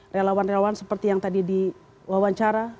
relawan relawan seperti yang tadi diwawancara